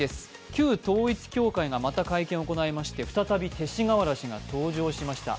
旧統一教会がまた会見を行いまして、再び勅使河原氏が登場しました。